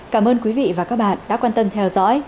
cảm ơn quý vị và các bạn đã quan tâm theo dõi